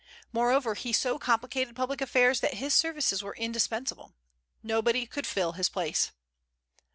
Moreover, he so complicated public affairs that his services were indispensable. Nobody could fill his place.